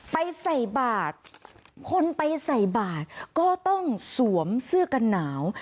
ใส่บาทคนไปใส่บาทก็ต้องสวมเสื้อกันหนาว